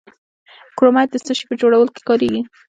کرومایټ د څه شي په جوړولو کې کاریږي؟